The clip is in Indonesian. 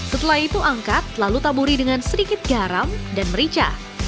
setelah itu angkat lalu taburi dengan sedikit garam dan merica